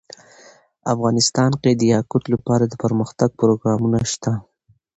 افغانستان کې د یاقوت لپاره دپرمختیا پروګرامونه شته.